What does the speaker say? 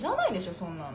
そんなの。